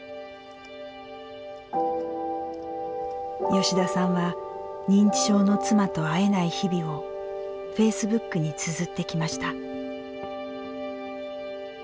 吉田さんは認知症の妻と会えない日々をフェイスブックにつづってきました。